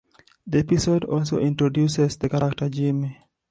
The episode also introduces the character Jimmy.